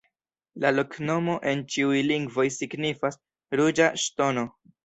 La loknomo en ĉiuj lingvoj signifas: ruĝa ŝtono.